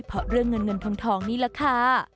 เพราะเรื่องเงินเงินทองนี่แหละค่ะ